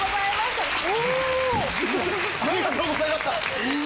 ありがとうございましたおぉ。